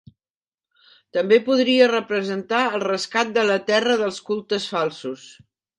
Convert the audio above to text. També podria representar el rescat de la terra dels cultes falsos.